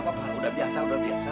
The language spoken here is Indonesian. udah udah gapapa udah biasa udah biasa